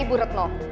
saya ibu redmo